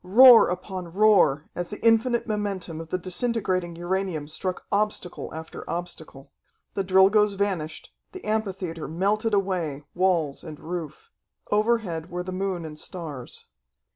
Roar upon roar, as the infinite momentum of the disintegrating uranium struck obstacle after obstacle. The Drilgoes vanished, the amphitheatre melted away, walls and roof.... Overhead were the moon and stars.